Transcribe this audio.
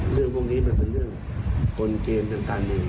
เรื่องพวกนี้มันเป็นเรื่องกลเกณฑ์ทางการเมือง